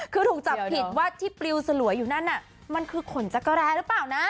คือถูกจับผิดว่าที่ปลิวสลวยอยู่นั่นน่ะมันคือขนจักรแรหรือเปล่านะ